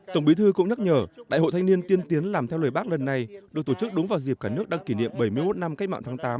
tổng bí thư cũng nhắc nhở đại hội thanh niên tiên tiến làm theo lời bác lần này được tổ chức đúng vào dịp cả nước đang kỷ niệm bảy mươi một năm cách mạng tháng tám